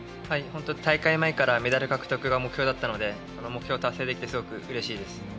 大会前からメダル獲得が目標だったので目標達成できてすごくうれしいです。